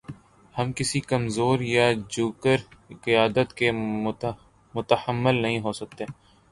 ہم کسی کمزور یا جوکر قیادت کے متحمل نہیں ہو سکتے۔